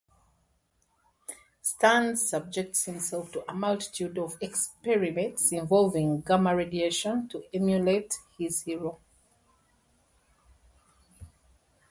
Sterns subjects himself to a multitude of experiments involving gamma-radiation to emulate his hero.